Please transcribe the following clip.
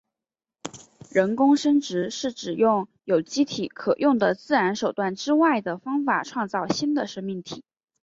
人工生殖是指用有机体可用的自然手段之外的方法创造新的生命体。